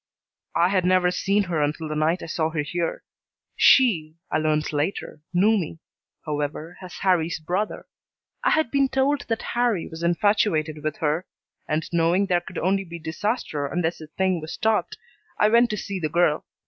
"I had never seen her until the night I saw her here. She, I learned later, knew me, however, as Harrie's brother. I had been told that Harrie was infatuated with her, and, knowing there could only be disaster unless the thing was stopped, I went to see the girl.